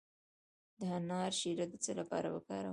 د انار شیره د څه لپاره وکاروم؟